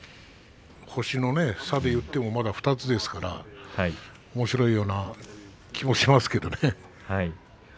星の差でいってもまだ２つですからおもしろいような気もしますけどね。